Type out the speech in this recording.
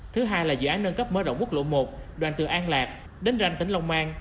thứ hai là dự án nâng cấp mở rộng quốc lộ một đoàn từ an lạc đến ranh tỉnh long an